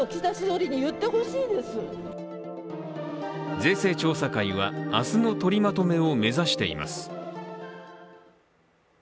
税制調査会は明日の取りまとめを目指しています。